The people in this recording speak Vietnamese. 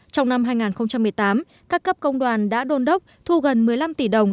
trong năm hai nghìn một mươi tám các cấp công đoàn đã đôn đốc thu gần một mươi năm tỷ đồng